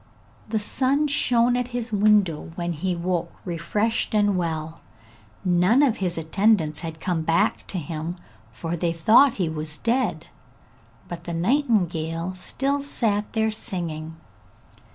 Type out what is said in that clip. The sun shone in at his window, when he woke refreshed and well; none of his attendants had yet come back to him, for they thought he was dead, but the nightingale still sat there singing.